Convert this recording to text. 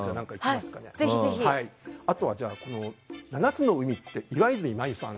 あとは「七つの海」という岩泉舞さん。